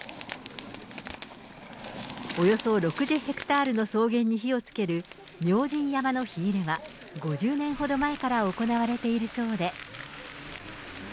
およそ６０ヘクタールの草原に火をつける明神山の火入れは、５０年ほど前から行われているそうで。